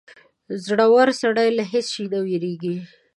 • زړور سړی له هېڅ شي نه وېرېږي.